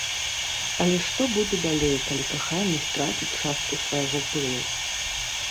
Але што будзе далей, калі каханне страціць частку свайго пылу?